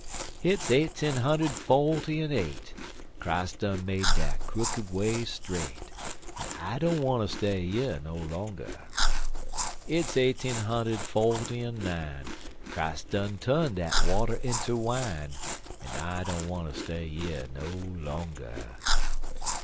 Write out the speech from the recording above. Hit's eighteen hunder'd forty en eight, Christ done make dat crooked way straight An' I don't wanter stay yer no longer; Hit's eighteen hunder'd forty en nine, Christ done tu'n dat water inter wine An' I don't wanter stay yer no longer.